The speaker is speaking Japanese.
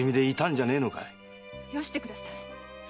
よしてください